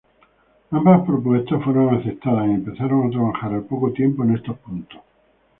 Ambas propuestas fueron aceptadas y empezaron a trabajar al poco tiempo en estos puntos.